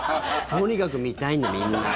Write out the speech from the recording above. とにかく見たいんだ、みんな。